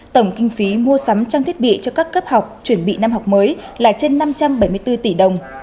tổng kinh phí mua sắm trang thiết bị cho các cấp học chuẩn bị năm học mới là trên năm trăm bảy mươi bốn tỷ đồng